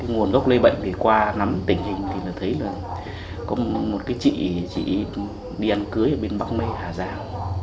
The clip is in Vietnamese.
nguồn gốc lây bệnh qua nắm tình hình thì thấy là có một chị đi ăn cưới ở bên bắc mây hà giang